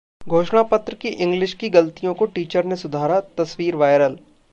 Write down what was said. घोषणापत्र की इंग्लिश की गलतियों को टीचर ने सुधारा, तस्वीर वायरल